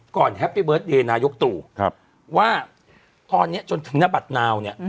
ก่อนแฮปปี้เบิร์สเดย์นายุคตู่ครับว่าตอนเนี้ยจนถึงหน้าบัตรนาวเนี้ย